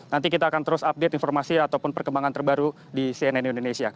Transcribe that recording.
nanti kita akan terus update informasi ataupun perkembangan terbaru di cnn indonesia